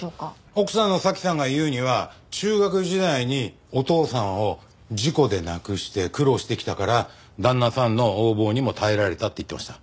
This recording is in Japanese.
奥さんの早紀さんが言うには中学時代にお父さんを事故で亡くして苦労してきたから旦那さんの横暴にも耐えられたって言ってました。